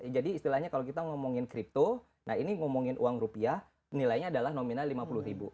jadi istilahnya kalau kita ngomongin kripto nah ini ngomongin uang rupiah nilainya adalah nominal rp lima puluh